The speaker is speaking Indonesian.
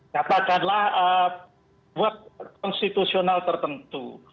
dapatkanlah buat konstitusional tertentu